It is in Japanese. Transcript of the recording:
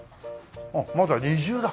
あっまだ二重だ。